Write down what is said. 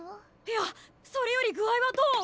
いやそれより具合はどう？